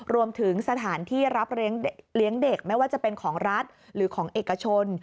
รวมถึงสถานที่รับเลี้ยงเด็กไม่ว่าจะเป็นของรัฐหรือของเอกชน